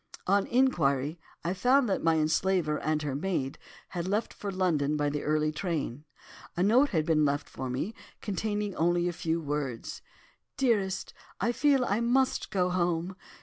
"On inquiry, I found that my enslaver and her maid had left for London by the early train. A note had been left for me, containing only a few words. 'Dearest, I feel I must go home.